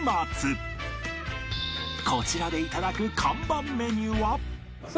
こちらで頂く看板メニューは